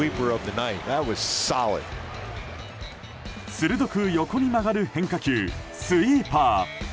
鋭く横に曲がる変化球スイーパー。